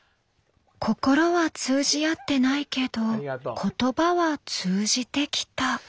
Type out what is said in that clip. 心は通じ合ってないけど言葉は通じてきた。